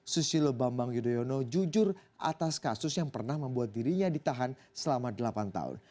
susilo bambang yudhoyono jujur atas kasus yang pernah membuat dirinya ditahan selama delapan tahun